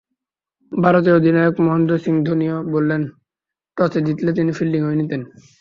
ভারতীয় অধিনায়ক মহেন্দ্র সিং ধোনিও বললেন, টসে জিতলে তিনি ফিল্ডিংই নিতেন।